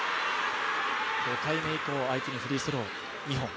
５回目以降、相手にフリースロー２本。